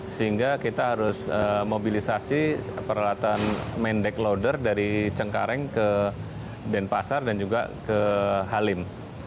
sehingga kita harus mobilisasi peralatan main deck loader dari cengkareng ke denpasar dan juga ke halim